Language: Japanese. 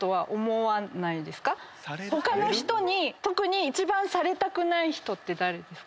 他の人に特に一番されたくない人って誰ですか？